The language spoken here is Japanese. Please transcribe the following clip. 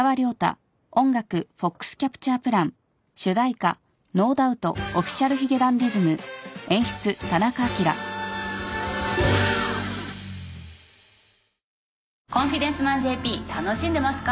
『コンフィデンスマンＪＰ』楽しんでますか？